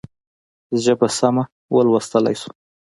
ژبه سمه ولوستلای شو.